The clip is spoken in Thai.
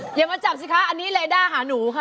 อย่ามาจับสิคะอันนี้เรด้าหาหนูค่ะ